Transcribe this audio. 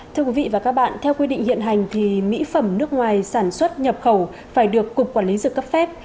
thưa quý vị và các bạn theo quy định hiện hành thì mỹ phẩm nước ngoài sản xuất nhập khẩu phải được cục quản lý dược cấp phép